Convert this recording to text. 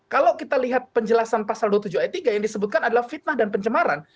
kalau kita lihat penjelasan pasal dua puluh tujuh ayat tiga yang disebutkan adalah fitnah dan pencemaran